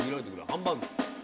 ハンバーグ。